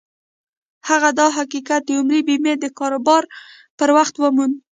هغه دا حقيقت د عمري بيمې د کاروبار پر وخت وموند.